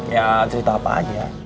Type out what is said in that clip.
ya cerita apa aja